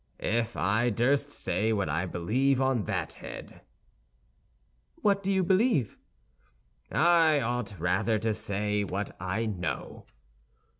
"If I durst say what I believe on that head—" "What you believe?" "I ought rather to say, what I know."